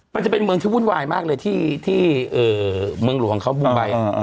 มันจะเป็นเมืองที่วุ่นวายมากเลยที่ที่เอ่อเมืองหลวงเขาอ่าอ่า